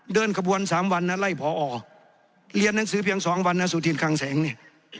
เดินขบวน๓วันนะไล่พอเรียนหนังสือเพียง๒วันนะสุธินคังแสงเนี่ย